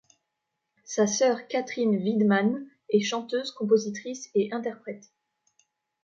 Sa sœur, Katrin Wiedmann, est chanteuse, compositrice et interprète.